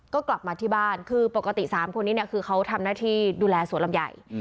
ก็กลับมาที่บ้านคือปกติ๓คนนี้เนี่ยคือเขาทำหน้าที่ดูแลสวนลำใหญ่